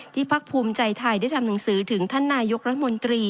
พักภูมิใจไทยได้ทำหนังสือถึงท่านนายกรัฐมนตรี